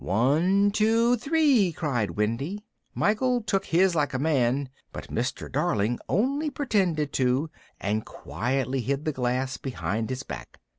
"One, two, three," cried Wendy; Michael took his like a man, but Mr. Darling only pretended to, and quietly hid the glass behind his back.